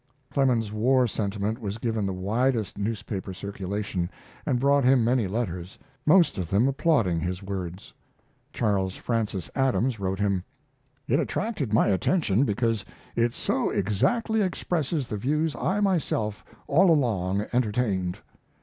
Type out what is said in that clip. Clemens's war sentiment was given the widest newspaper circulation, and brought him many letters, most of them applauding his words. Charles Francis Adams wrote him: It attracted my attention because it so exactly expresses the views I have myself all along entertained.